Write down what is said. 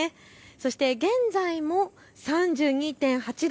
そして現在も３２．８度。